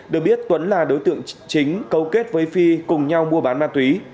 được biết tuấn là đối tượng chính cấu kết với phi cùng nhau mua bán ma túy